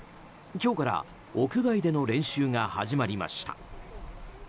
今日から屋外での練習が始まりました。